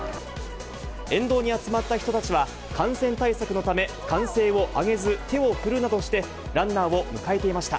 沿道に集まった人たちは、感染対策のため、歓声を上げず、手を振るなどして、ランナーを迎えていました。